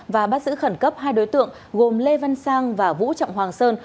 và bắt giữ khẩn cấp hai đối tượng gồm lê văn sang và vũ trọng hoàng sơn